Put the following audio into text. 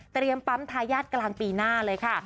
ปั๊มทายาทกลางปีหน้าเลยค่ะ